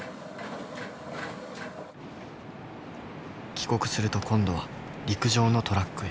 帰国すると今度は陸上のトラックへ。